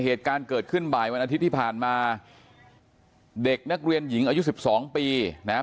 เหตุการณ์เกิดขึ้นบ่ายวันอาทิตย์ที่ผ่านมาเด็กนักเรียนหญิงอายุสิบสองปีนะครับ